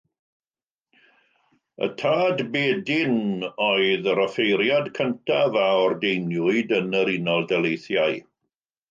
Y Tad Badin oedd yr offeiriad cyntaf a ordeiniwyd yn yr Unol Daleithiau.